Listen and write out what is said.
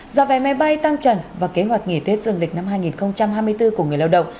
giả vẻ máy bay tăng trần và kế hoạch nghỉ tiết dường lịch năm hai nghìn hai mươi bốn của người lao động